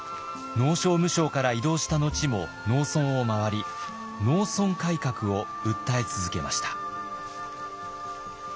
農商務省から異動した後も農村を回り農村改革を訴え続けました。